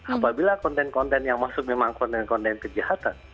apabila konten konten yang masuk memang konten konten kejahatan